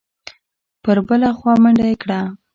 پر بله خوا منډه یې کړه.